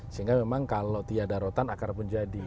sehingga memang kalau tiada rotan akar pun jadi